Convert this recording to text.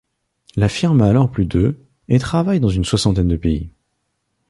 La firme a alors plus de et travaille dans une soixantaine de pays.